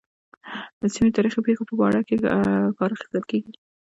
سیمې تاریخي پېښو په باره کې کار اخیستل کېږي.